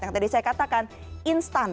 yang tadi saya katakan instan